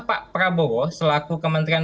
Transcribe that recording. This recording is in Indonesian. pak prabowo selaku kementerian